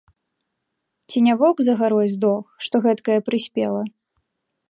Ці не воўк за гарой здох, што гэткае прыспела?